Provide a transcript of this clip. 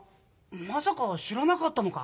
まさか知らなかったのか？